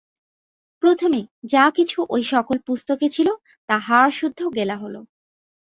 প্রথমে যা কিছু ঐ সকল পুস্তকে ছিল, তা হাড়সুদ্ধ গেলা হল।